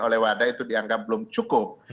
oleh wadah itu dianggap belum cukup